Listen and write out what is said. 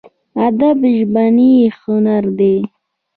ادب ژبنی هنر دی.